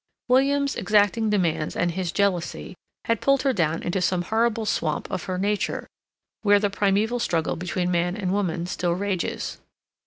William's exacting demands and his jealousy had pulled her down into some horrible swamp of her nature where the primeval struggle between man and woman still rages.